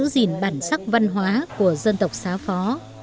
mỗi khi kết thúc là việc tuyên truyền giữ gìn bản sắc văn hóa của dân tộc xá phó